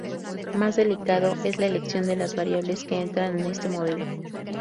Más delicado es la elección de las variables que entran en este modelo.